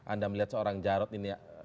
anda melihat seorang jarod ini